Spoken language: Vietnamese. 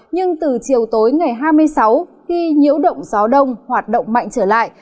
nhưng từ chiều tối ngày hai mươi sáu khi nhiễu động gió đông hoạt động mạnh trở lại